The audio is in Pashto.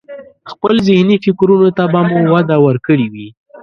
خپل ذهني فکرونو ته به مو وده ورکړي وي.